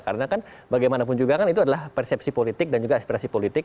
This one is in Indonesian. karena kan bagaimanapun juga kan itu adalah persepsi politik dan juga ekspresi politik